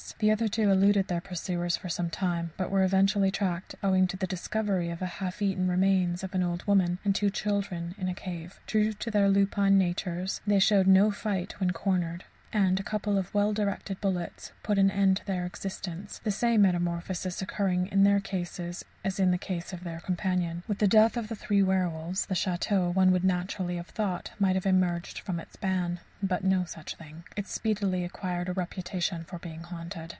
The other two eluded their pursuers for some time, but were eventually tracked owing to the discovery of the half eaten remains of an old woman and two children in a cave. True to their lupine natures,[91:1] they showed no fight when cornered, and a couple of well directed bullets put an end to their existence the same metamorphosis occurring in their case as in the case of their companion. With the death of the three werwolves the château, one would naturally have thought, might have emerged from its ban. But no such thing. It speedily acquired a reputation for being haunted.